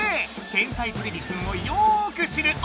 「天才てれびくん」をよく知るおれさま